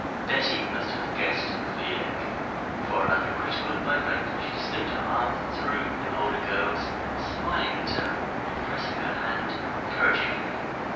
Betty must have guessed her feeling, for at the critical moment she slipped her arm through the older girl's, smiling at her and pressing her hand encouragingly.